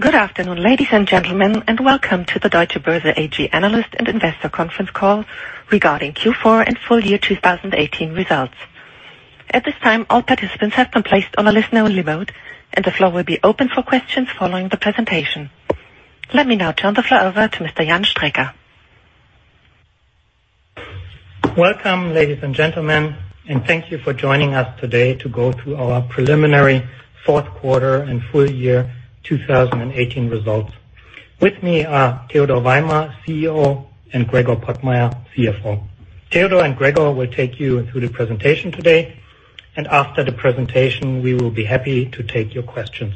Good afternoon, ladies and gentlemen. Welcome to the Deutsche Börse AG analyst and investor conference call regarding Q4 and full year 2018 results. At this time, all participants have been placed on a listen-only mode, and the floor will be open for questions following the presentation. Let me now turn the floor over to Mr. Jan Strecker. Welcome, ladies and gentlemen. Thank you for joining us today to go through our preliminary fourth quarter and full year 2018 results. With me are Theodor Weimer, CEO, and Gregor Pottmeyer, CFO. Theodor and Gregor will take you through the presentation today, and after the presentation, we will be happy to take your questions.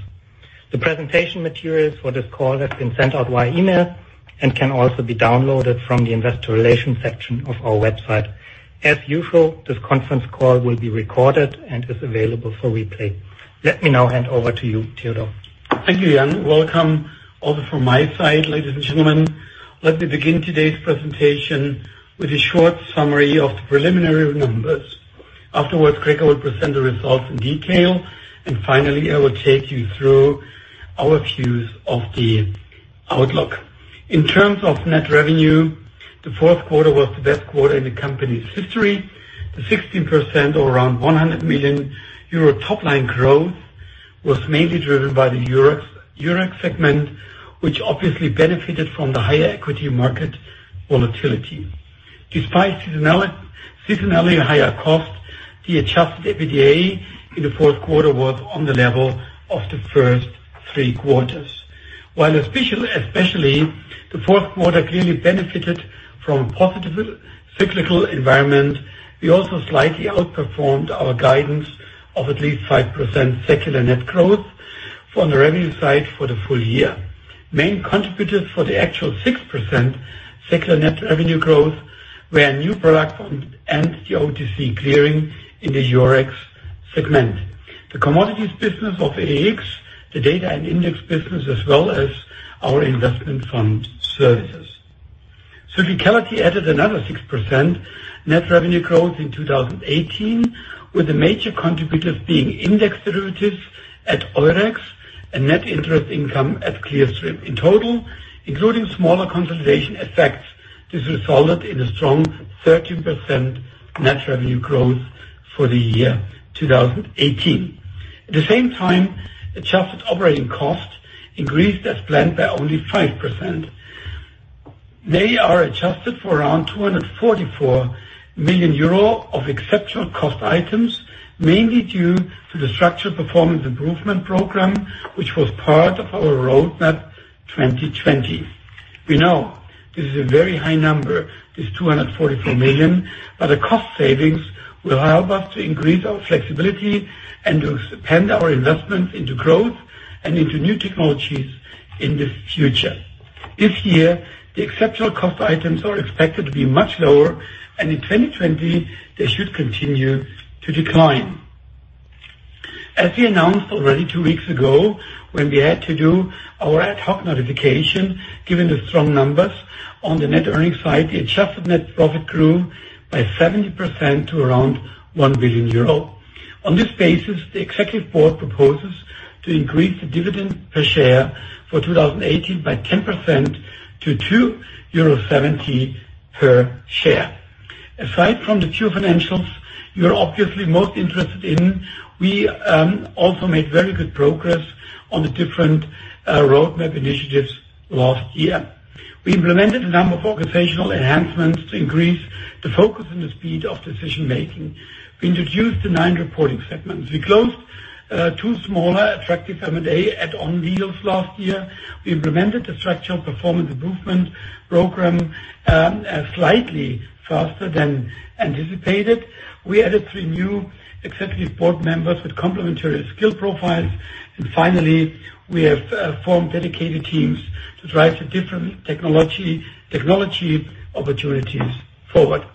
The presentation materials for this call have been sent out via email and can also be downloaded from the investor relations section of our website. As usual, this conference call will be recorded and is available for replay. Let me now hand over to you, Theodor. Thank you, Jan. Welcome also from my side, ladies and gentlemen. Let me begin today's presentation with a short summary of the preliminary numbers. Afterwards, Gregor will present the results in detail, and finally, I will take you through our views of the outlook. In terms of net revenue, the fourth quarter was the best quarter in the company's history. The 16%, or around 100 million euro top-line growth, was mainly driven by the Eurex segment, which obviously benefited from the higher equity market volatility. Despite seasonally higher cost, the adjusted EBITDA in the fourth quarter was on the level of the first three quarters. While especially, the fourth quarter clearly benefited from positive cyclical environment, we also slightly outperformed our guidance of at least 5% secular net growth from the revenue side for the full year. Main contributors for the actual 6% secular net revenue growth were new product and the OTC clearing in the Eurex segment. The commodities business of EEX, the data and index business, as well as our investment fund services. Cyclicality added another 6% net revenue growth in 2018, with the major contributors being index derivatives at Eurex and net interest income at Clearstream. In total, including smaller consolidation effects, this resulted in a strong 13% net revenue growth for the year 2018. At the same time, adjusted operating cost increased as planned by only 5%. They are adjusted for around 244 million euro of exceptional cost items, mainly due to the structural performance improvement program, which was part of our Roadmap 2020. We know this is a very high number, this 244 million. The cost savings will help us to increase our flexibility and to spend our investment into growth and into new technologies in the future. This year, the exceptional cost items are expected to be much lower. In 2020, they should continue to decline. As we announced already two weeks ago, when we had to do our ad hoc notification, given the strong numbers on the net earnings side, the adjusted net profit grew by 70% to around 1 billion euro. On this basis, the Executive Board proposes to increase the dividend per share for 2018 by 10% to 2.70 euro per share. Aside from the two financials you are obviously most interested in, we also made very good progress on the different roadmap initiatives last year. We implemented a number of organizational enhancements to increase the focus and the speed of decision-making. We introduced the nine reporting segments. We closed two smaller, attractive M&A deals last year. We implemented the structural performance improvement program slightly faster than anticipated. We added three new Executive Board members with complementary skill profiles. Finally, we have formed dedicated teams to drive the different technology opportunities forward.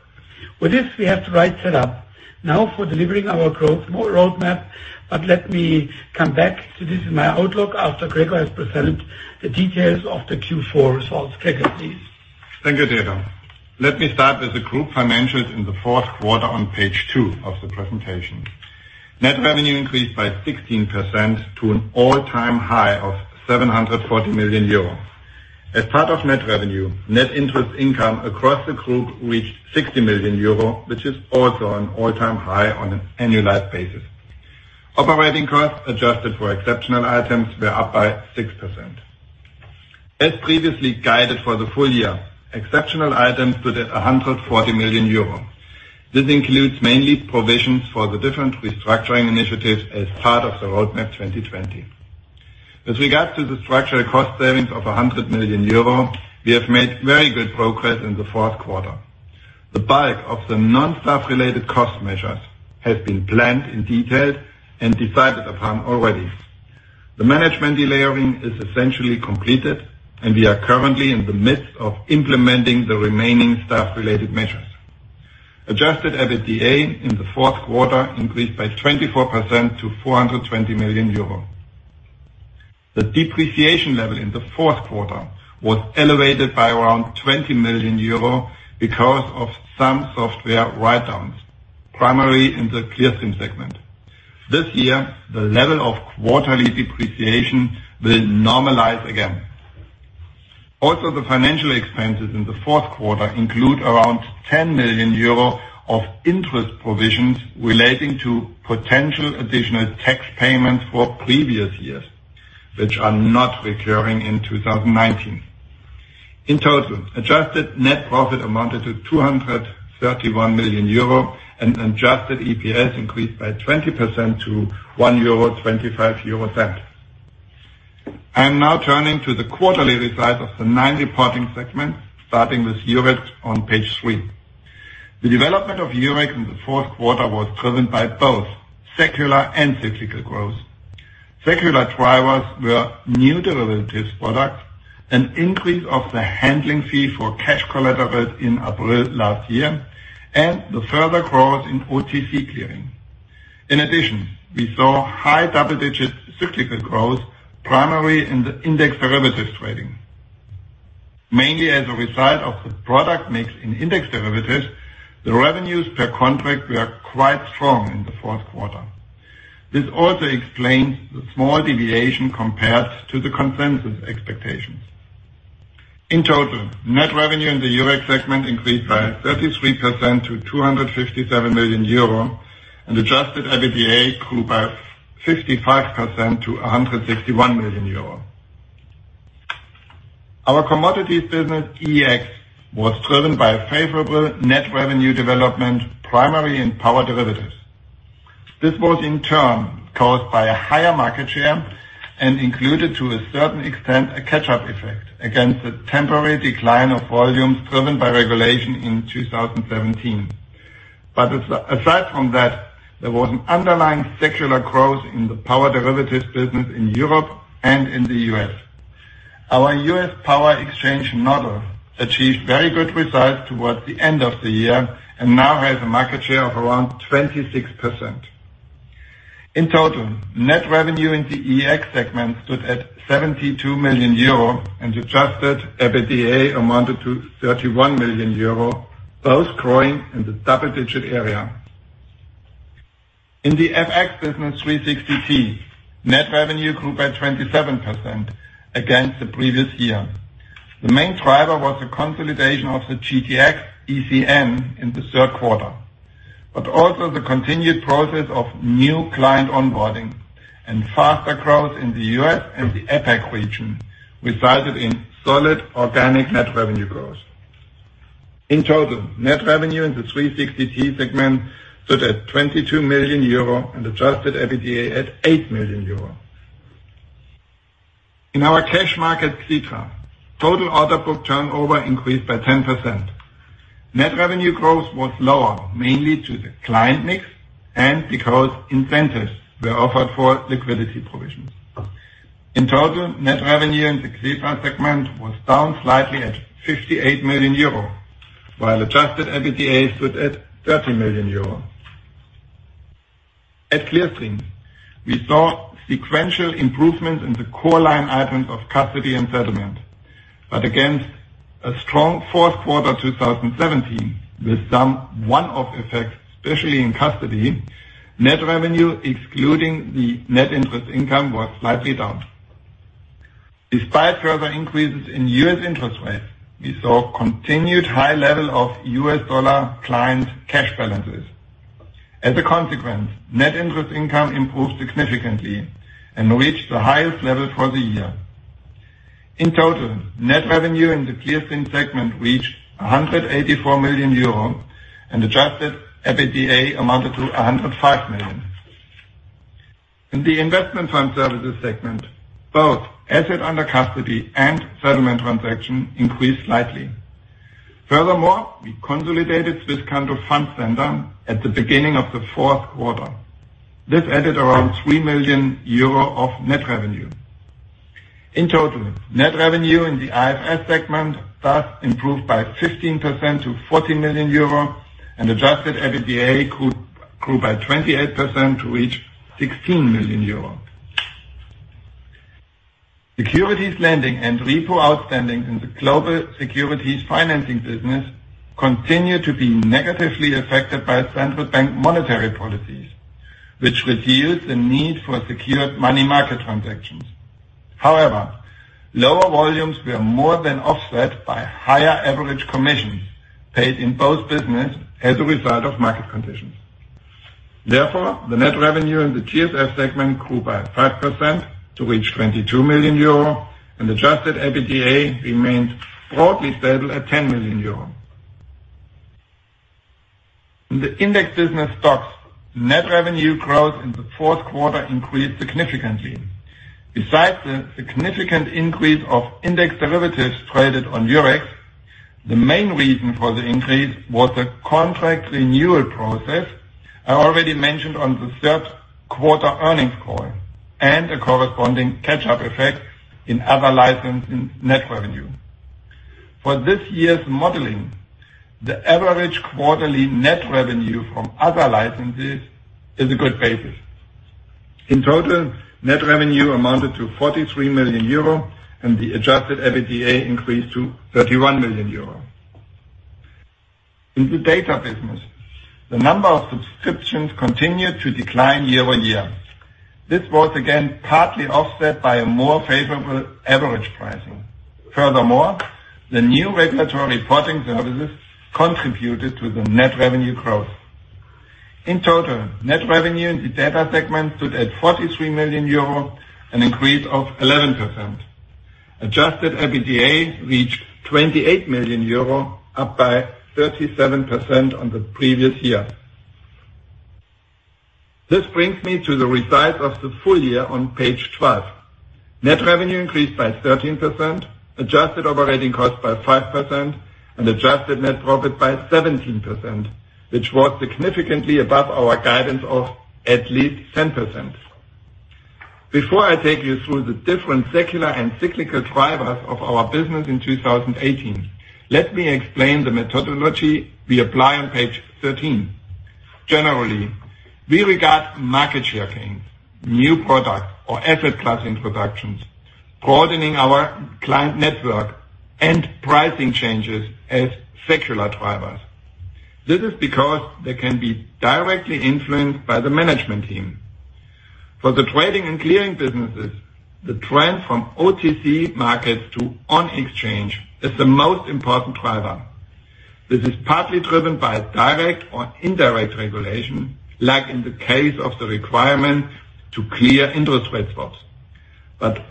With this, we have the right setup now for delivering our growth roadmap. Let me come back to this in my outlook after Gregor has presented the details of the Q4 results. Gregor, please. Thank you, Theodor. Let me start with the group financials in the fourth quarter on page two of the presentation. Net revenue increased by 16% to an all-time high of 740 million euro. As part of net revenue, net interest income across the group reached 60 million euro, which is also an all-time high on an annualized basis. Operating costs, adjusted for exceptional items, were up by 6%. As previously guided for the full year, exceptional items stood at 140 million euro. This includes mainly provisions for the different restructuring initiatives as part of the Roadmap 2020. With regard to the structural cost savings of 100 million euro, we have made very good progress in the fourth quarter. The bulk of the non-staff-related cost measures have been planned in detail and decided upon already. The management delayering is essentially completed. We are currently in the midst of implementing the remaining staff-related measures. Adjusted EBITDA in the fourth quarter increased by 24% to 420 million euro. The depreciation level in the fourth quarter was elevated by around 20 million euro because of some software write-downs primarily in the Clearstream segment. This year, the level of quarterly depreciation will normalize again. Also, the financial expenses in the fourth quarter include around 10 million euro of interest provisions relating to potential additional tax payments for previous years, which are not recurring in 2019. In total, adjusted net profit amounted to 231 million euro, and adjusted EPS increased by 20% to 1.25 euro. I am now turning to the quarterly results of the nine reporting segments, starting with Eurex on page three. The development of Eurex in the fourth quarter was driven by both secular and cyclical growth. Secular drivers were new derivatives products, an increase of the handling fee for cash collateral in April last year, and the further growth in OTC clearing. In addition, we saw high double-digit cyclical growth, primarily in the index derivatives trading. Mainly as a result of the product mix in index derivatives, the revenues per contract were quite strong in the fourth quarter. This also explains the small deviation compared to the consensus expectations. In total, net revenue in the Eurex segment increased by 33% to 257 million euro, and adjusted EBITDA grew by 55% to 161 million euro. Our commodities business, EEX, was driven by a favorable net revenue development, primarily in power derivatives. This was, in turn, caused by a higher market share and included, to a certain extent, a catch-up effect against the temporary decline of volumes driven by regulation in 2017. Aside from that, there was an underlying secular growth in the power derivatives business in Europe and in the U.S. Our U.S. power exchange, Nodal, achieved very good results towards the end of the year and now has a market share of around 26%. In total, net revenue in the EEX segment stood at 72 million euro, and adjusted EBITDA amounted to 31 million euro, both growing in the double-digit area. In the FX business 360T, net revenue grew by 27% against the previous year. The main driver was the consolidation of the GTX ECN in the third quarter. Also the continued process of new client onboarding and faster growth in the U.S. and the APAC region, resulted in solid organic net revenue growth. In total, net revenue in the 360T segment stood at 22 million euro, and adjusted EBITDA at 8 million euro. In our cash market, Xetra, total order book turnover increased by 10%. Net revenue growth was lower, mainly to the client mix, and because incentives were offered for liquidity provisions. In total, net revenue in the Xetra segment was down slightly at 58 million euro, while adjusted EBITDA stood at 30 million euro. At Clearstream, we saw sequential improvements in the core line items of custody and settlement. Against a strong fourth quarter 2017, with some one-off effects, especially in custody, net revenue excluding the net interest income was slightly down. Despite further increases in U.S. interest rates, we saw continued high level of U.S. dollar client cash balances. As a consequence, net interest income improved significantly and reached the highest level for the year. In total, net revenue in the Clearstream segment reached 184 million euro, and adjusted EBITDA amounted to 105 million. In the Investment Fund Services segment, both assets under custody and settlement transactions increased slightly. Furthermore, we consolidated Swisscanto Fund Center at the beginning of the fourth quarter. This added around 3 million euro of net revenue. In total, net revenue in the IFS segment thus improved by 15% to 40 million euro, and adjusted EBITDA grew by 28% to reach 16 million euros. Securities lending and repo outstanding in the global securities financing business continued to be negatively affected by central bank monetary policies, which reduced the need for secured money market transactions. However, lower volumes were more than offset by higher average commissions paid in both business as a result of market conditions. Therefore, the net revenue in the GSF segment grew by 5% to reach 22 million euro, and adjusted EBITDA remained broadly stable at 10 million euro. In the index business STOXX, net revenue growth in the fourth quarter increased significantly. Besides the significant increase of index derivatives traded on Eurex, the main reason for the increase was the contract renewal process I already mentioned on the third quarter earnings call, and a corresponding catch-up effect in other licensing net revenue. For this year's modeling, the average quarterly net revenue from other licenses is a good basis. In total, net revenue amounted to 43 million euro and the adjusted EBITDA increased to 31 million euro. In the Data business, the number of subscriptions continued to decline year-over-year. This was again partly offset by a more favorable average pricing. Furthermore, the new regulatory reporting services contributed to the net revenue growth. In total, net revenue in the Data segment stood at 43 million euro, an increase of 11%. Adjusted EBITDA reached 28 million euro, up by 37% on the previous year. This brings me to the results of the full year on page 12. Net revenue increased by 13%, adjusted operating cost by 5%, and adjusted net profit by 17%, which was significantly above our guidance of at least 10%. Before I take you through the different secular and cyclical drivers of our business in 2018, let me explain the methodology we apply on page 13. Generally, we regard market share gains, new product or asset class introductions, broadening our client network, and pricing changes as secular drivers. This is because they can be directly influenced by the management team. For the trading and clearing businesses, the trend from OTC markets to on-exchange is the most important driver. This is partly driven by direct or indirect regulation, like in the case of the requirement to clear interest rate swaps.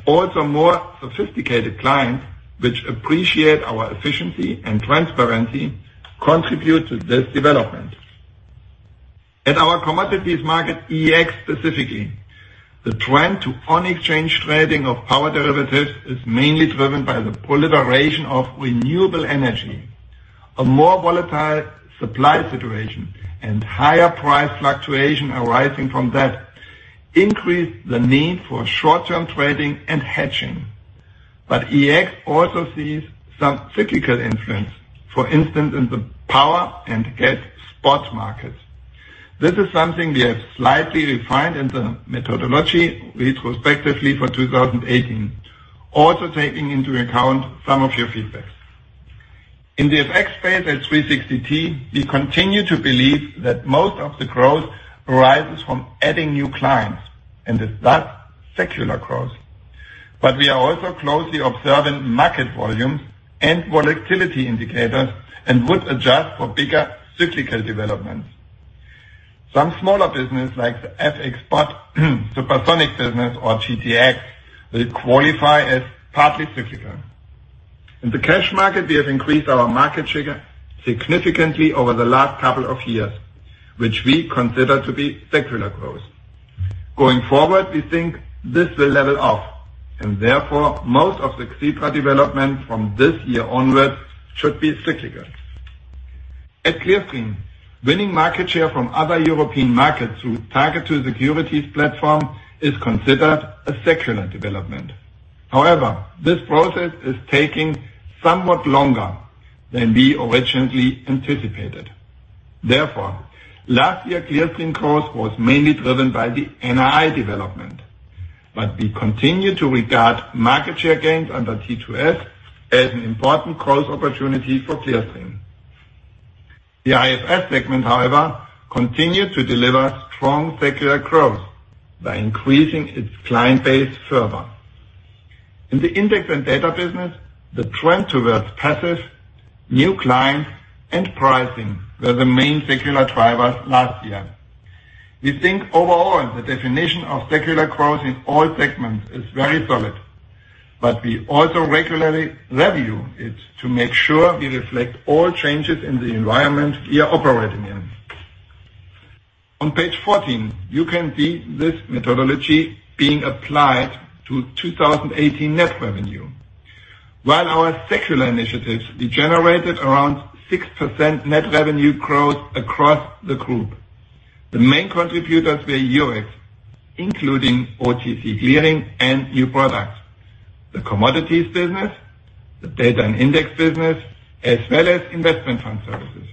Also more sophisticated clients, which appreciate our efficiency and transparency, contribute to this development. At our commodities market, EEX specifically, the trend to on-exchange trading of power derivatives is mainly driven by the proliferation of renewable energy. A more volatile supply situation and higher price fluctuation arising from that increase the need for short-term trading and hedging. EEX also sees some cyclical influence, for instance, in the power and gas spot markets. This is something we have slightly refined in the methodology retrospectively for 2018, also taking into account some of your feedback. In the FX space at 360T, we continue to believe that most of the growth arises from adding new clients, and is thus secular growth. We are also closely observing market volumes and volatility indicators and would adjust for bigger cyclical developments. Some smaller business, like the FX Spot Supersonic business or GTX, will qualify as partly cyclical. In the cash market, we have increased our market share significantly over the last couple of years, which we consider to be secular growth. Going forward, we think this will level off, and therefore most of the growth development from this year onwards should be cyclical. At Clearstream, winning market share from other European markets through TARGET2-Securities platform is considered a secular development. However, this process is taking somewhat longer than we originally anticipated. Therefore, last year Clearstream growth was mainly driven by the NII development. We continue to regard market share gains under T2S as an important growth opportunity for Clearstream. The IFS segment, however, continued to deliver strong secular growth by increasing its client base further. In the index and data business, the trend towards passive new clients and pricing were the main secular drivers last year. We think overall the definition of secular growth in all segments is very solid, but we also regularly review it to make sure we reflect all changes in the environment we are operating in. On page 14, you can see this methodology being applied to 2018 net revenue. While our secular initiatives generated around 6% net revenue growth across the group, the main contributors were Eurex, including OTC clearing and new products, the commodities business, the data and index business, as well as investment fund services.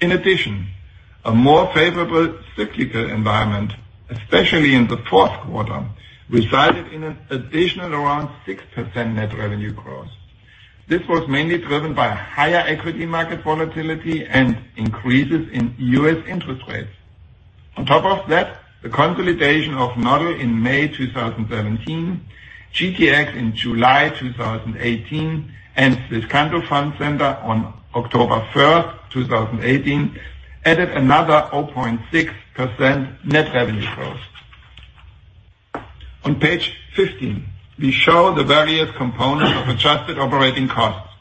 In addition, a more favorable cyclical environment, especially in the fourth quarter, resulted in an additional around 6% net revenue growth. This was mainly driven by higher equity market volatility and increases in U.S. interest rates. On top of that, the consolidation of Nodal in May 2017, GTX in July 2018, and Swisscanto Fund Center on October 1st, 2018, added another 0.6% net revenue growth. On page 15, we show the various components of adjusted operating costs.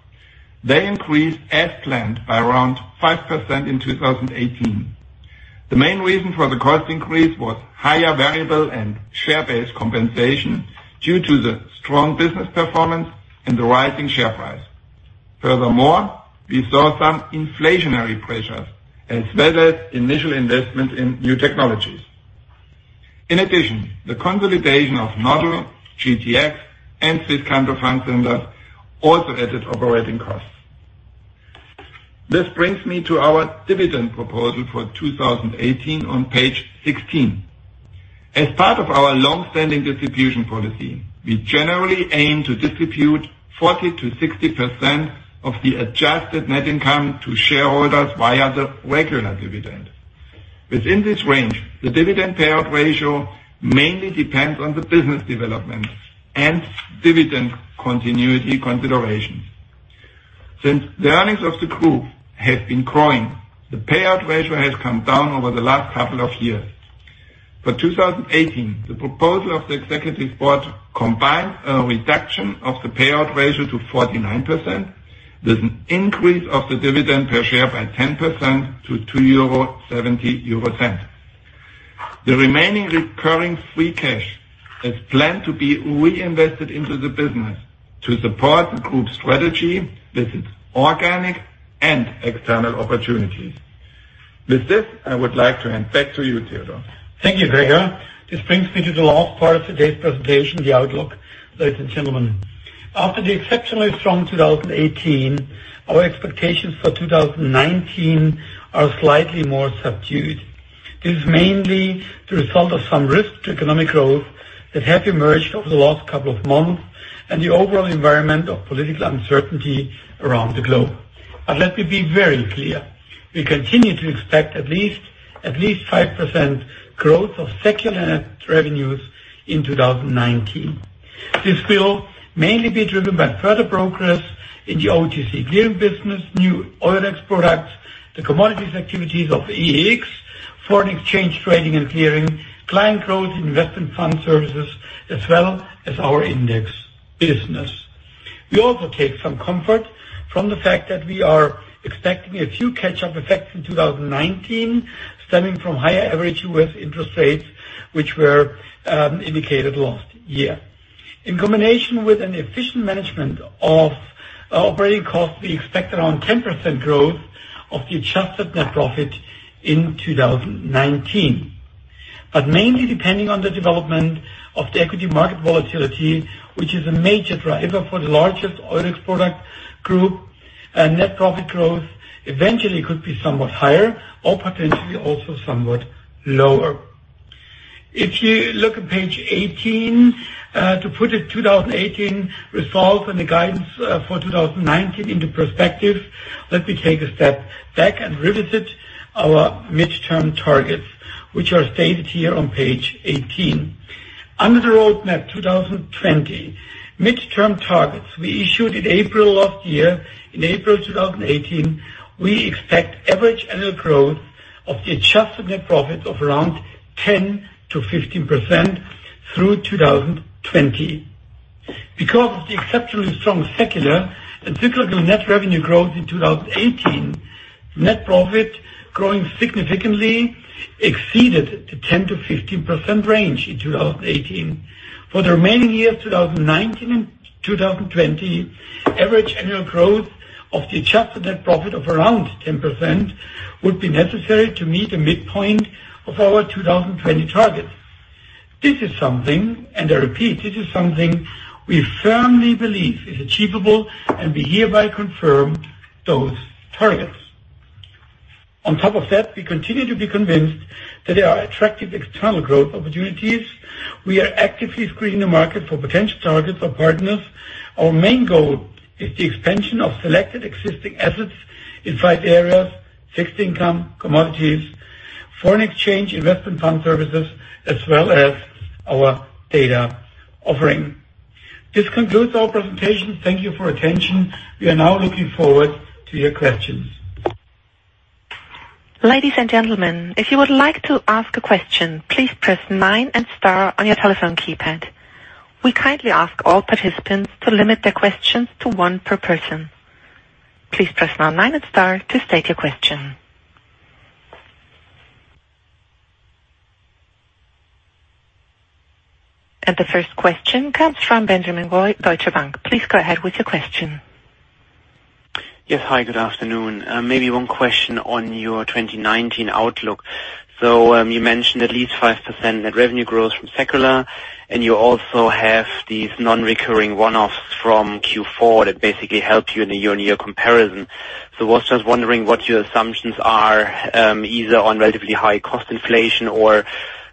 They increased as planned by around 5% in 2018. The main reason for the cost increase was higher variable and share-based compensation due to the strong business performance and the rising share price. Furthermore, we saw some inflationary pressures as well as initial investment in new technologies. In addition, the consolidation of Nodal, GTX, and Swisscanto Fund Center also added operating costs. This brings me to our dividend proposal for 2018 on page 16. As part of our long-standing distribution policy, we generally aim to distribute 40%-60% of the adjusted net income to shareholders via the regular dividend. Within this range, the dividend payout ratio mainly depends on the business development and dividend continuity consideration. Since the earnings of the group have been growing, the payout ratio has come down over the last couple of years. For 2018, the proposal of the Executive Board combined a reduction of the payout ratio to 49% with an increase of the dividend per share by 10% to 2.70 euro. The remaining recurring free cash is planned to be reinvested into the business to support the group's strategy with its organic and external opportunities. With this, I would like to hand back to you, Theodor. Thank you, Gregor. This brings me to the last part of today's presentation, the outlook. Ladies and gentlemen, after the exceptionally strong 2018, our expectations for 2019 are slightly more subdued. This is mainly the result of some risks to economic growth that have emerged over the last couple of months and the overall environment of political uncertainty around the globe. Let me be very clear, we continue to expect at least 5% growth of secular net revenues in 2019. This will mainly be driven by further progress in the OTC clearing business, new Eurex products, the commodities activities of the EEX, foreign exchange trading and clearing, client growth in Investment Fund Services, as well as our index business. We also take some comfort from the fact that we are expecting a few catch-up effects in 2019, stemming from higher average U.S. interest rates, which were indicated last year. In combination with an efficient management of operating costs, we expect around 10% growth of the adjusted net profit in 2019. Mainly depending on the development of the equity market volatility, which is a major driver for the largest Eurex product group, net profit growth eventually could be somewhat higher or potentially also somewhat lower. If you look at page 18, to put a 2018 result and the guidance for 2019 into perspective, let me take a step back and revisit our midterm targets, which are stated here on page 18. Under the Roadmap 2020 midterm targets we issued in April of last year, in April 2018, we expect average annual growth of the adjusted net profit of around 10%-15% through 2020. Because of the exceptionally strong secular and cyclical net revenue growth in 2018, net profit growing significantly exceeded the 10%-15% range in 2018. For the remaining years, 2019 and 2020, average annual growth of the adjusted net profit of around 10% would be necessary to meet the midpoint of our 2020 targets. This is something, I repeat, this is something we firmly believe is achievable, and we hereby confirm those targets. On top of that, we continue to be convinced that there are attractive external growth opportunities. We are actively screening the market for potential targets or partners. Our main goal is the expansion of selected existing assets in five areas: fixed income, commodities, foreign exchange, Investment Fund Services, as well as our data offering. This concludes our presentation. Thank you for your attention. We are now looking forward to your questions. Ladies and gentlemen, if you would like to ask a question, please press nine and star on your telephone keypad. We kindly ask all participants to limit their questions to one per person. Please press nine and star to state your question. The first question comes from Benjamin Goy, Deutsche Bank. Please go ahead with your question. Yes. Hi, good afternoon. Maybe one question on your 2019 outlook. You mentioned at least 5% net revenue growth from secular, you also have these non-recurring one-offs from Q4 that basically help you in the year-on-year comparison. I was just wondering what your assumptions are, either on relatively high cost inflation or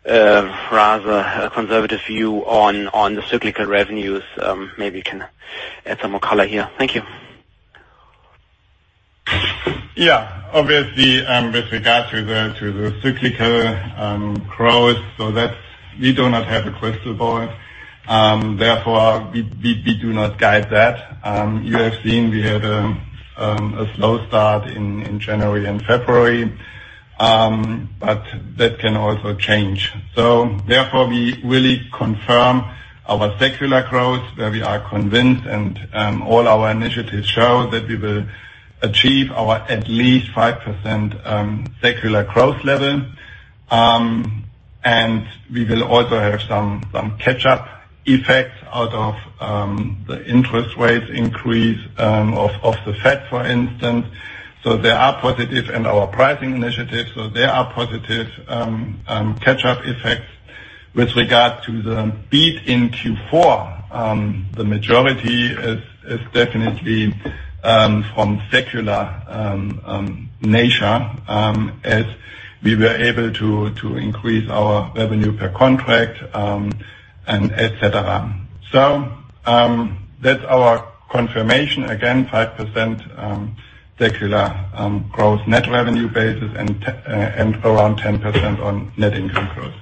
rather a conservative view on the cyclical revenues. Maybe you can add some more color here. Thank you. Yeah. Obviously, with regards to the cyclical growth, we do not have a crystal ball. We do not guide that. You have seen we had a slow start in January and February, but that can also change. We really confirm our secular growth, where we are convinced and all our initiatives show that we will achieve our at least 5% secular growth level. We will also have some catch-up effects out of the interest rates increase of the Fed, for instance. There are positives in our pricing initiatives. There are positive catch-up effects. With regard to the beat in Q4, the majority is definitely from secular nature as we were able to increase our revenue per contract and et cetera. That's our confirmation. Again, 5% secular growth net revenue basis and around 10% on net income growth.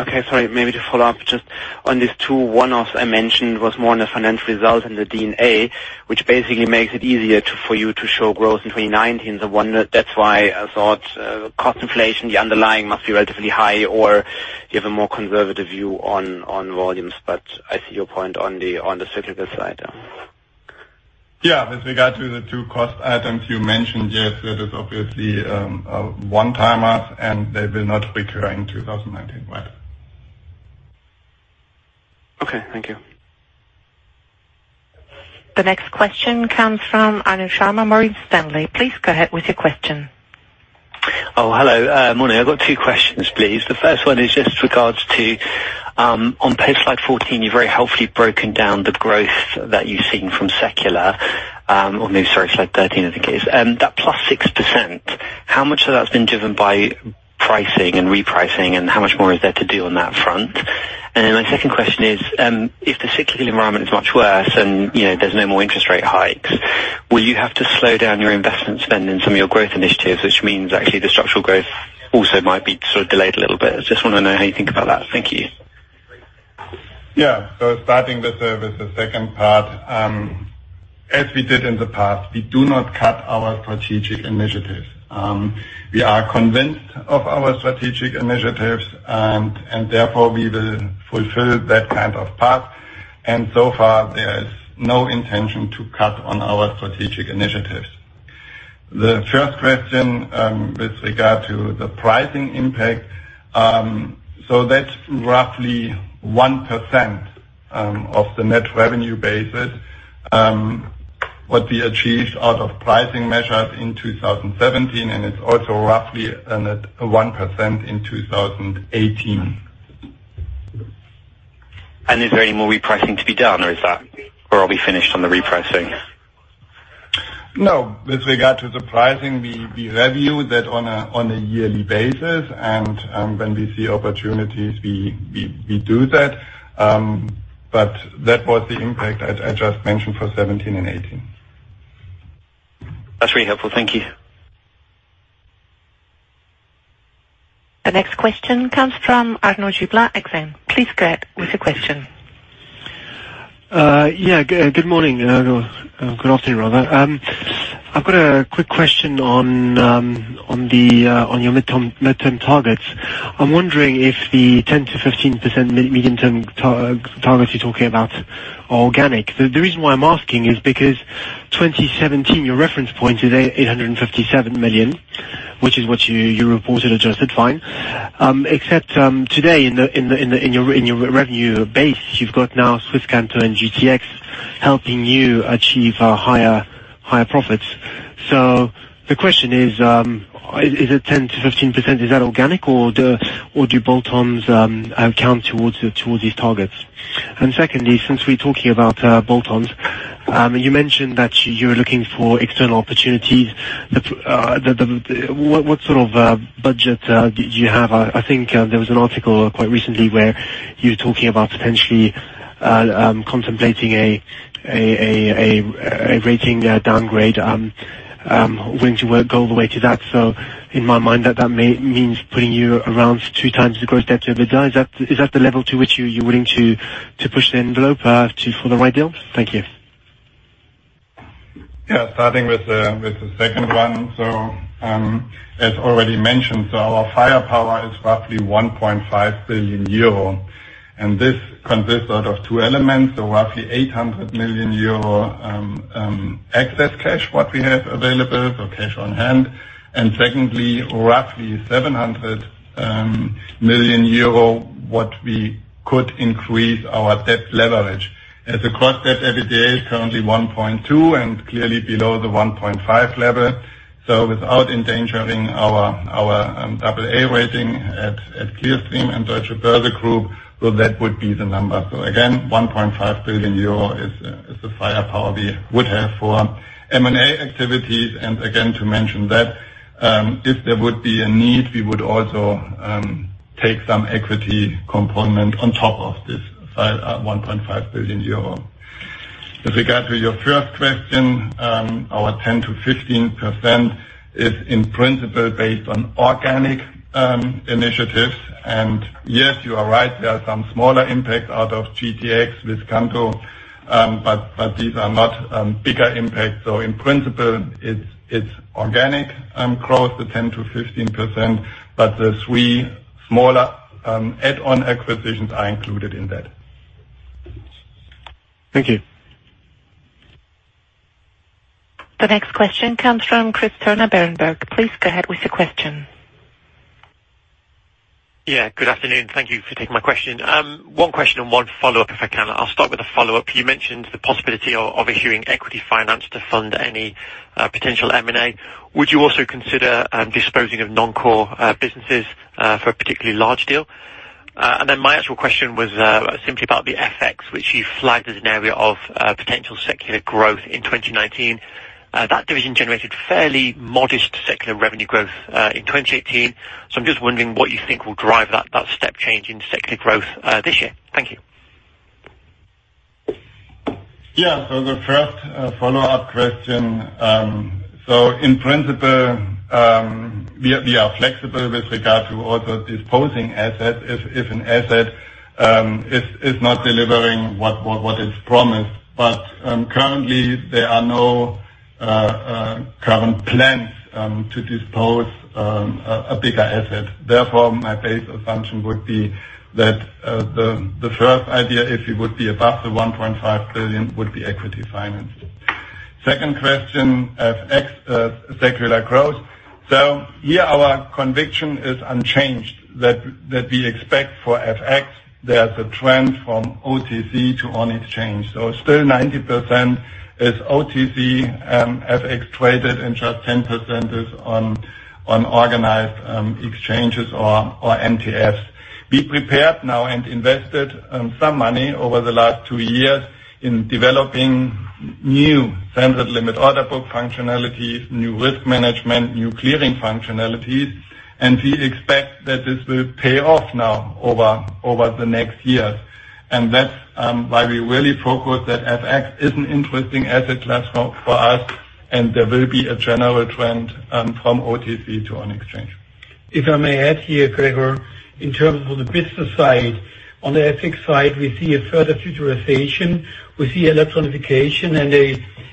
Okay. Sorry, maybe to follow up just on these two one-offs I mentioned was more on the financial result and the D&A, which basically makes it easier for you to show growth in 2019. That's why I thought cost inflation, the underlying must be relatively high or you have a more conservative view on volumes. I see your point on the cyclical side. Yeah. With regard to the two cost items you mentioned, yes, that is obviously a one-timers and they will not recur in 2019. Right. Okay. Thank you. The next question comes from Anil Sharma, Morgan Stanley. Please go ahead with your question. Oh, hello. Morning. I've got two questions, please. The first one is just regards to, on slide 14, you've very helpfully broken down the growth that you've seen from secular. Or maybe, sorry, slide 13, I think it is. That +6%, how much of that has been driven by pricing and repricing and how much more is there to do on that front? My second question is, if the cyclical environment is much worse and there's no more interest rate hikes, will you have to slow down your investment spend in some of your growth initiatives, which means actually the structural growth also might be sort of delayed a little bit? I just want to know how you think about that. Thank you. Yeah. Starting with the second part. As we did in the past, we do not cut our strategic initiatives. We are convinced of our strategic initiatives, therefore, we will fulfill that kind of path. So far, there is no intention to cut on our strategic initiatives. The first question with regard to the pricing impact. That's roughly 1% of the net revenue basis, what we achieved out of pricing measures in 2017, and it's also roughly 1% in 2018. Is there any more repricing to be done or are we finished on the repricing? No. With regard to the pricing, we review that on a yearly basis and when we see opportunities, we do that. That was the impact I just mentioned for 2017 and 2018. That's really helpful. Thank you. The next question comes from Arnaud Giblat, Exane. Please go ahead with your question. Good morning. Good afternoon, rather. I've got a quick question on your midterm targets. I'm wondering if the 10%-15% medium-term targets you're talking about are organic. The reason why I'm asking is because 2017, your reference point is 857 million, which is what you reported adjusted, fine. Except today in your revenue base, you've got now Swisscanto and GTX helping you achieve higher profits. The question is the 10%-15%, is that organic or do bolt-ons count towards these targets? Secondly, since we're talking about bolt-ons, you mentioned that you're looking for external opportunities. What sort of budget do you have? I think there was an article quite recently where you were talking about potentially contemplating a rating downgrade. Would you go all the way to that? In my mind, that means putting you around 2x the gross debt to EBITDA. Is that the level to which you're willing to push the envelope for the right deal? Thank you. Starting with the second one. As already mentioned, our firepower is roughly 1.5 billion euro, and this consists out of two elements, roughly 800 million euro excess cash, what we have available, cash on hand. Secondly, roughly 700 million euro what we could increase our debt leverage. As the gross debt-to-EBITDA is currently 1.2x and clearly below the 1.5x level. Without endangering our AA rating at Clearstream and Deutsche Börse Group, that would be the number. Again, 1.5 billion euro is the firepower we would have for M&A activities. Again, to mention that, if there would be a need, we would also take some equity component on top of this 1.5 billion euro. With regard to your first question, our 10%-15% is in principle based on organic initiatives. Yes, you are right, there are some smaller impacts out of GTX, Swisscanto, but these are not bigger impacts. In principle, it's organic growth of 10%-15%, but the three smaller add-on acquisitions are included in that. Thank you. The next question comes from Chris Turner, Berenberg. Please go ahead with your question. Yeah, good afternoon. Thank you for taking my question. One question and one follow-up, if I can. I'll start with the follow-up. You mentioned the possibility of issuing equity finance to fund any potential M&A. Would you also consider disposing of non-core businesses for a particularly large deal? Then my actual question was simply about the FX, which you flagged as an area of potential secular growth in 2019. That division generated fairly modest secular revenue growth in 2018. I'm just wondering what you think will drive that step change in secular growth this year. Thank you. Yeah. The first follow-up question. In principle, we are flexible with regard to also disposing assets if an asset is not delivering what is promised. Currently, there are no current plans to dispose a bigger asset. Therefore, my base assumption would be that the first idea, if it would be above 1.5 billion, would be equity financing. Second question, FX secular growth. Here our conviction is unchanged that we expect for FX, there's a trend from OTC to on-exchange. Still 90% is OTC FX traded and just 10% is on organized exchanges or MTFs. We prepared now and invested some money over the last two years in developing new standard limit order book functionalities, new risk management, new clearing functionalities, and we expect that this will pay off now over the next years. That's why we really focus that FX is an interesting asset class for us and there will be a general trend from OTC to on-exchange. If I may add here, Gregor, in terms of the business side, on the FX side, we see a further futurization. We see electronification and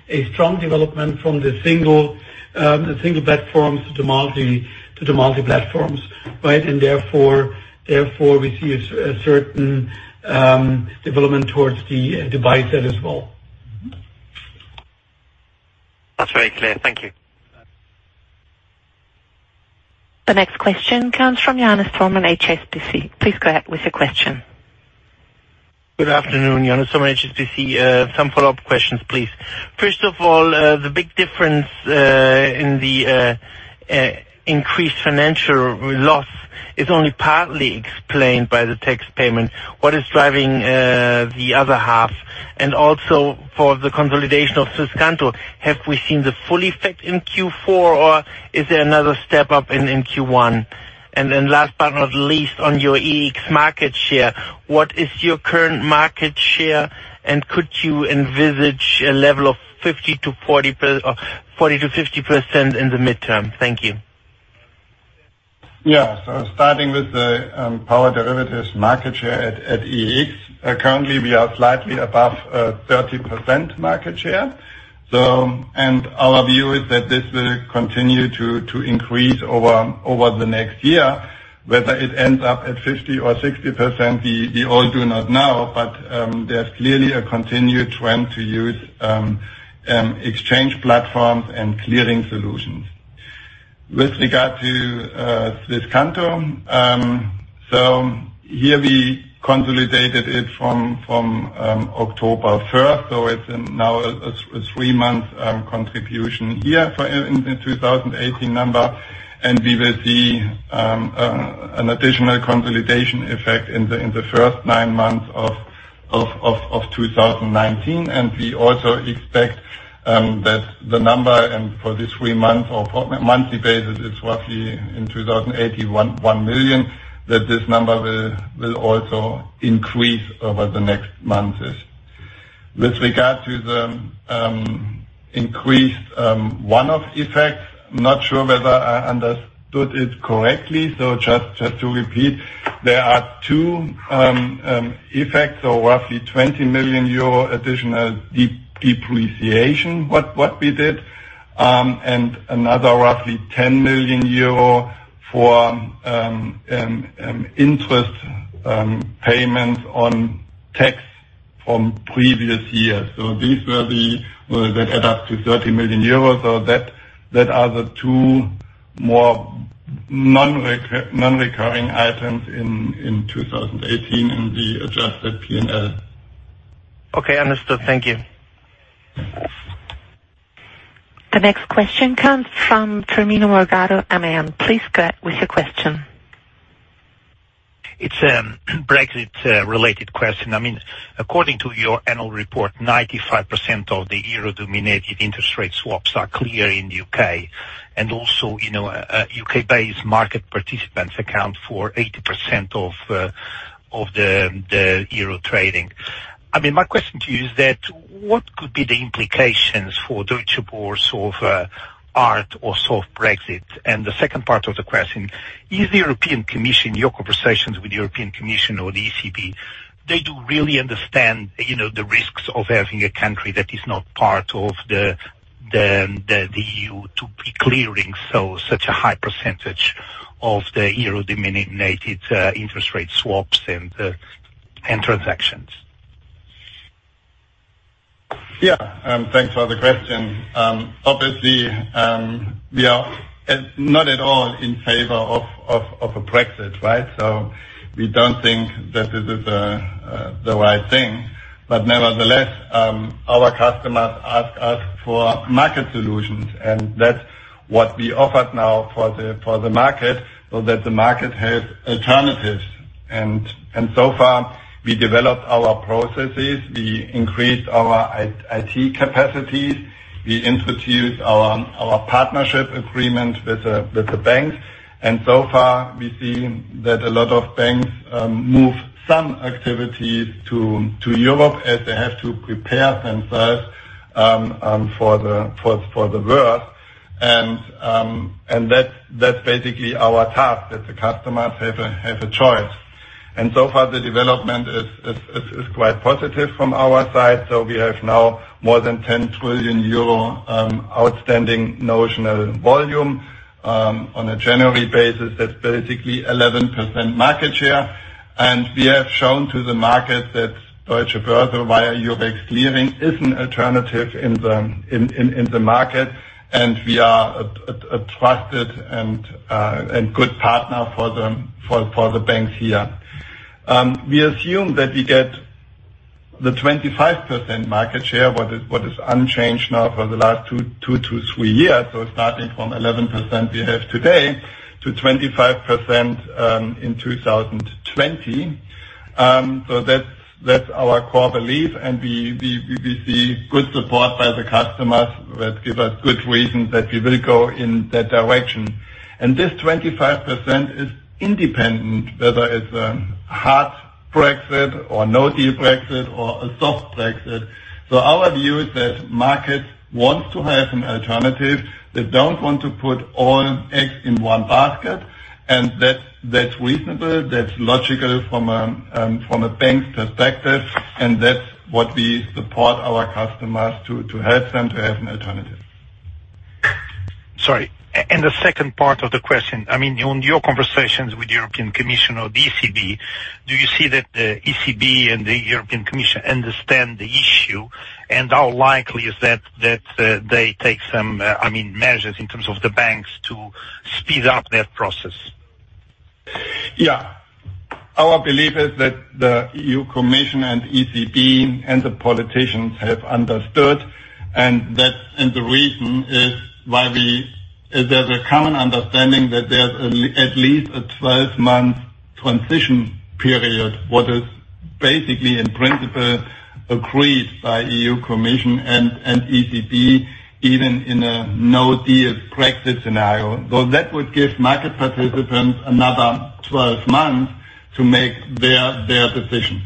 a strong development from the single platforms to the multi-platforms. Right? Therefore we see a certain development towards the device there as well. That's very clear. Thank you. The next question comes from Johannes Thormann, HSBC. Please go ahead with your question. Good afternoon. Johannes Thormann, HSBC. Some follow-up questions, please. First of all, the big difference in the increased financial loss is only partly explained by the tax payment. What is driving the other half? Also for the consolidation of Swisscanto, have we seen the full effect in Q4, or is there another step up in Q1? Then last but not least, on your EEX market share, what is your current market share, and could you envisage a level of 40%-50% in the midterm? Thank you. Starting with the power derivatives market share at EEX. Currently, we are slightly above a 30% market share. Our view is that this will continue to increase over the next year. Whether it ends up at 50% or 60%, we all do not know. There's clearly a continued trend to use exchange platforms and clearing solutions. With regard to Swisscanto, here we consolidated it from October 1st, it's now a three-month contribution here in 2018 number, and we will see an additional consolidation effect in the first nine months of 2019. We also expect that the number and for this three month or monthly basis is roughly in 2018, 1 million, that this number will also increase over the next months. With regard to the increased one-off effects, not sure whether I understood it correctly. Just to repeat, there are two effects of roughly EUR 20 million additional depreciation, what we did, and another roughly 10 million euro for interest payments on tax from previous years. These were the ones that add up to 30 million euros, that are the two more non-recurring items in 2018 in the adjusted P&L. Understood. Thank you. The next question comes from [Firmino Morgado, Man]. Please go ahead with your question. It's a Brexit-related question. According to your Annual Report, 95% of the euro-denominated interest rate swaps are clear in the U.K. U.K.-based market participants account for 80% of the euro trading. My question to you is that what could be the implications for Deutsche Börse of hard or soft Brexit? The second part of the question, is the European Commission, your conversations with the European Commission or the ECB, they do really understand the risks of having a country that is not part of the EU to be clearing such a high percentage of the euro-denominated interest rate swaps and transactions. Thanks for the question. Obviously, we are not at all in favor of a Brexit, right? We don't think that this is the right thing. But nevertheless, our customers ask us for market solutions, and that's what we offered now for the market, so that the market has alternatives. So far, we developed our processes, we increased our IT capacities, we introduced our partnership agreement with the banks. So far, we've seen that a lot of banks move some activities to Europe as they have to prepare themselves for the world. That's basically our task, that the customers have a choice. So far, the development is quite positive from our side. We have now more than 10 trillion euro outstanding notional volume. On a January basis, that's basically 11% market share. We have shown to the market that Deutsche Börse via Eurex clearing is an alternative in the market, and we are a trusted and good partner for the banks here. We assume that we get the 25% market share, what is unchanged now for the last two to three years. Starting from 11% we have today, to 25% in 2020. That's our core belief, and we see good support by the customers that give us good reasons that we will go in that direction. This 25% is independent, whether it's a hard Brexit or no-deal Brexit or a soft Brexit. They don't want to put all eggs in one basket, and that's reasonable, that's logical from a bank's perspective, and that's what we support our customers to help them to have an alternative. Sorry. The second part of the question, on your conversations with the European Commission or the ECB, do you see that the ECB and the European Commission understand the issue, and how likely is it that they take some measures in terms of the banks to speed up their process? Our belief is that the EU Commission and ECB and the politicians have understood, and the reason is there's a common understanding that there's at least a 12-month transition period, what is basically in principle agreed by EU and ECB, even in a no-deal Brexit scenario. That would give market participants another 12 months to make their decisions.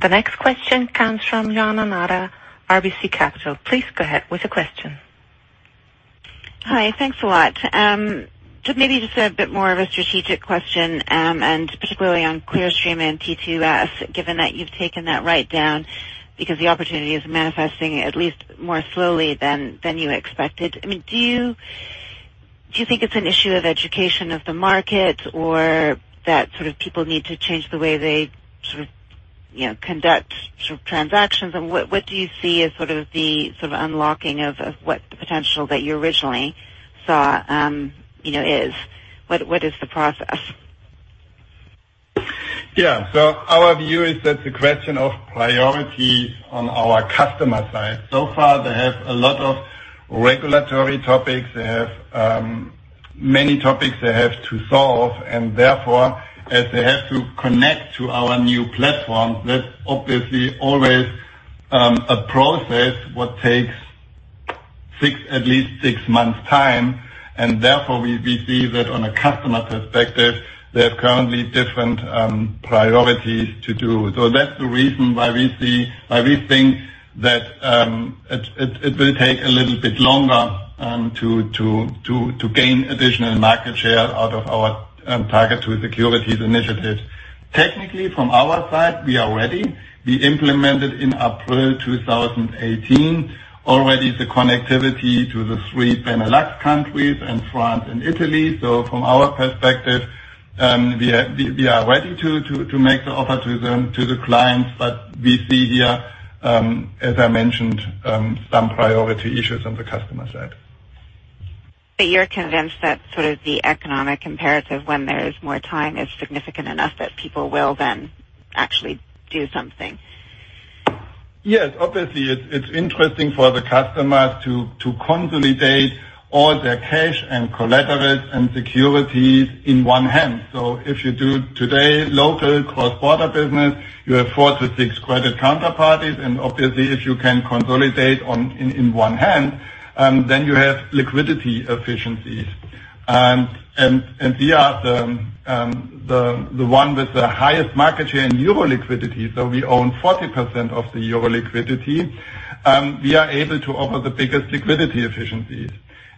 The next question comes from Joanna Nader, RBC Capital. Please go ahead with the question. Hi, thanks a lot. Just maybe a bit more of a strategic question, particularly on Clearstream and T2S, given that you've taken that right down because the opportunity is manifesting at least more slowly than you expected. Do you think it's an issue of education of the market or that people need to change the way they conduct transactions? What do you see as the unlocking of what the potential that you originally saw is? What is the process? Our view is that it's a question of priorities on our customer side. So far, they have a lot of regulatory topics, they have many topics they have to solve, and therefore, as they have to connect to our new platform, that's obviously always a process what takes at least six months time, and therefore we see that on a customer perspective, there are currently different priorities to do. That's the reason why we think that it will take a little bit longer to gain additional market share out of our target with securities initiatives. Technically, from our side, we are ready. We implemented in April 2018 already the connectivity to the three Benelux countries and France and Italy. From our perspective, we are ready to make the offer to the clients, but we see here, as I mentioned, some priority issues on the customer side. You're convinced that the economic imperative, when there is more time, is significant enough that people will then actually do something. Yes. Obviously, it's interesting for the customers to consolidate all their cash and collateral and securities in one hand. If you do today local cross-border business, you have four to six credit counterparties, and obviously, if you can consolidate in one hand, then you have liquidity efficiencies. We are the one with the highest market share in euro liquidity. We own 40% of the euro liquidity. We are able to offer the biggest liquidity efficiencies.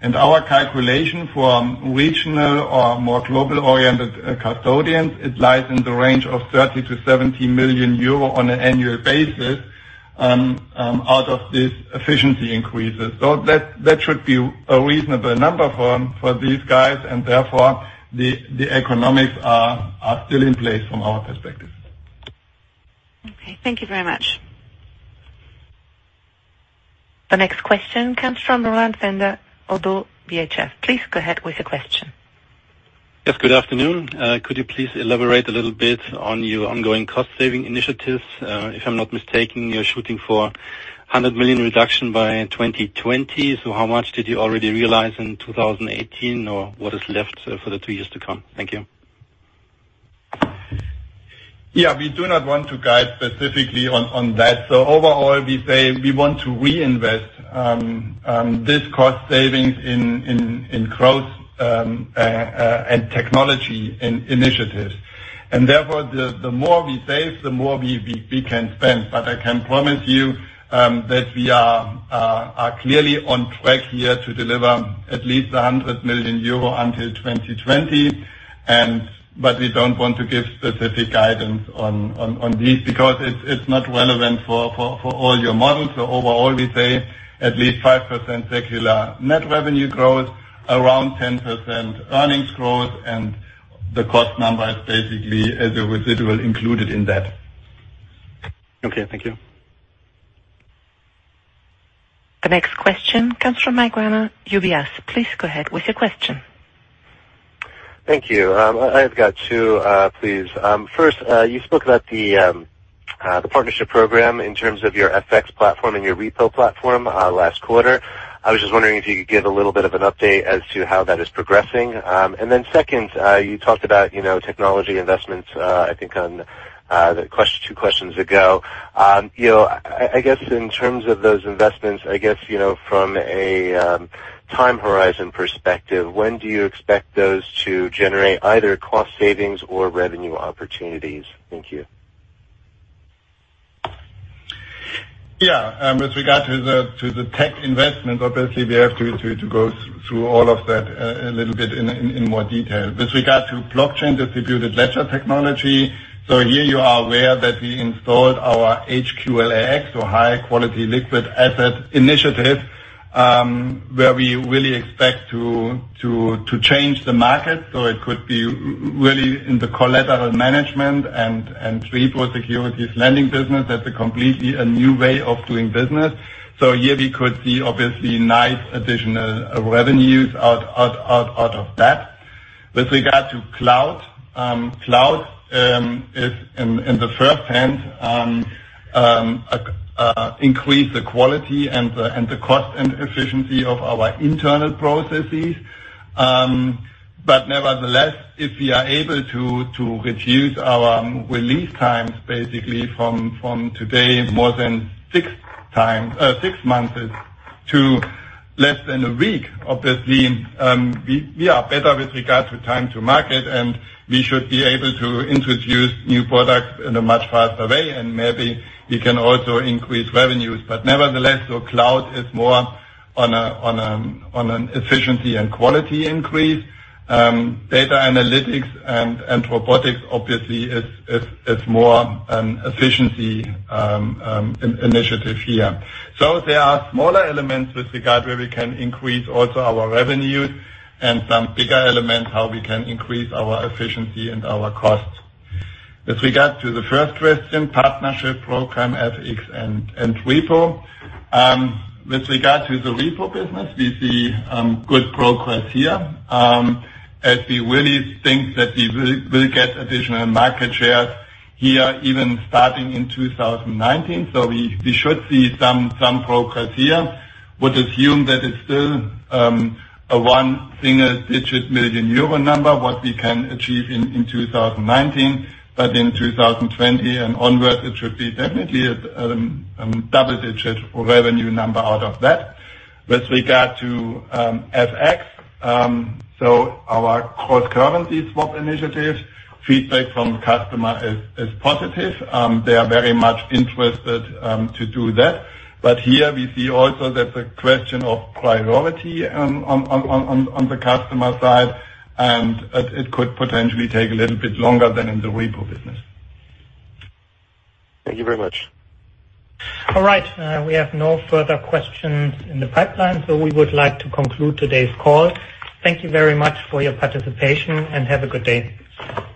Our calculation for regional or more global-oriented custodians, it lies in the range of 30 million-70 million euro on an annual basis out of this efficiency increases. That should be a reasonable number for these guys, and therefore, the economics are still in place from our perspective. Okay. Thank you very much. The next question comes from Roland Pfänder, Oddo BHF. Please go ahead with the question. Yes, good afternoon. Could you please elaborate a little bit on your ongoing cost saving initiatives? If I'm not mistaken, you're shooting for 100 million reduction by 2020. How much did you already realize in 2018? What is left for the two years to come? Thank you. Yeah, we do not want to guide specifically on that. Overall, we say we want to reinvest these cost savings in growth and technology initiatives. Therefore, the more we save, the more we can spend. I can promise you that we are clearly on track here to deliver at least a 100 million euro until 2020. We don't want to give specific guidance on this because it's not relevant for all your models. Overall, we say at least 5% secular net revenue growth, around 10% earnings growth, and the cost number is basically as a residual included in that. Okay, thank you. The next question comes from Mike Werner, UBS. Please go ahead with your question. Thank you. I've got two, please. First, you spoke about the partnership program in terms of your FX platform and your repo platform last quarter. I was just wondering if you could give a little bit of an update as to how that is progressing. Second, you talked about technology investments, I think on two questions ago. I guess in terms of those investments, I guess, from a time horizon perspective, when do you expect those to generate either cost savings or revenue opportunities? Thank you. Yeah. With regard to the tech investment, obviously we have to go through all of that a little bit in more detail. With regard to blockchain distributed ledger technology, here you are aware that we installed our HQLAX or High Quality Liquid Asset initiative, where we really expect to change the market. It could be really in the collateral management and repo securities lending business. That's a completely a new way of doing business. Here we could see obviously nice additional revenues out of that. With regard to cloud. Cloud is in the first-hand increase the quality and the cost and efficiency of our internal processes. Nevertheless, if we are able to reduce our release times basically from today more than six months to less than a week, obviously, we are better with regard to time-to-market, and we should be able to introduce new products in a much faster way, and maybe we can also increase revenues. Nevertheless, cloud is more on an efficiency and quality increase. Data analytics and robotics obviously is more an efficiency initiative here. There are smaller elements with regard where we can increase also our revenues, and some bigger elements how we can increase our efficiency and our costs. With regard to the first question, partnership program FX and repo. With regard to the repo business, we see good progress here, as we really think that we will get additional market shares here even starting in 2019. We should see some progress here. Would assume that it's still a single-digit million euro number, what we can achieve in 2019. In 2020 and onwards, it should be definitely a double-digit revenue number out of that. With regard to FX, our cross-currency swap initiative, feedback from customer is positive. They are very much interested to do that. Here we see also there's a question of priority on the customer side, and it could potentially take a little bit longer than in the repo business. Thank you very much. All right. We have no further questions in the pipeline, so we would like to conclude today's call. Thank you very much for your participation, and have a good day.